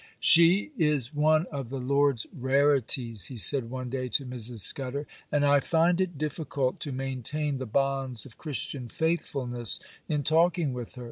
'She is one of the Lord's rarities,' he said one day to Mrs. Scudder, 'and I find it difficult to maintain the bonds of Christian faithfulness in talking with her.